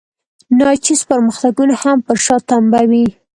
ناچیز پرمختګونه هم پر شا تمبوي.